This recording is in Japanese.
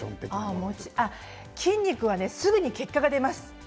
筋肉はねすぐに結果が出ます。